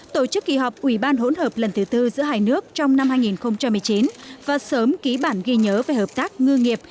tổ chức kỳ họp ủy ban hỗn hợp lần thứ tư giữa hai nước trong năm hai nghìn một mươi chín và sớm ký bản ghi nhớ về hợp tác ngư nghiệp